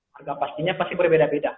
harga pastinya pasti berbeda beda